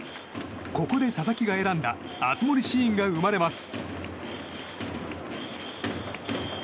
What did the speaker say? ここで佐々木が選んだ熱盛シーンが生まれます。